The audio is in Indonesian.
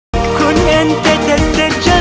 seseorang bisa jelas raw locasi